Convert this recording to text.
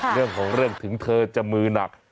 เรื่องของเรื่องถึงเธอจะมือหนัก